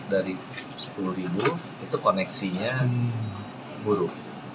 dua tujuh ratus dari sepuluh itu koneksinya buruk